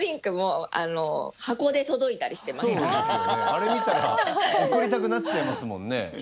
あれ見たら送りたくなっちゃいますもんね。